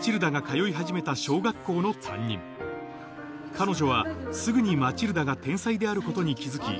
彼女はすぐにマチルダが天才であることに気付き